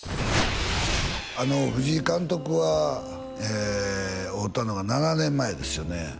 あの藤井監督はえー会うたのが７年前ですよね